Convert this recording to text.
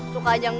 suka aja engga